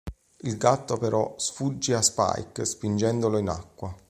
Il gatto però sfugge a Spike spingendolo in acqua.